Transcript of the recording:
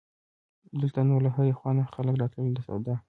دلته نو له هرې خوا نه خلک راتلل د سودا.